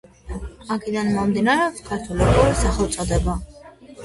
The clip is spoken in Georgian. აქედან მომდინარეობს ქართული ფულის სახელწოდება.